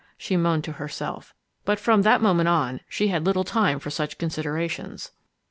she moaned to herself. But from that moment on, she had little time for such considerations.